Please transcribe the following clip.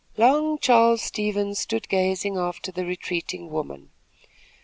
Long Charles Stevens stood gazing after the retreating woman.